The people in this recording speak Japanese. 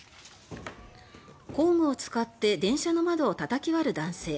工具を使って電車の窓をたたき割る男性。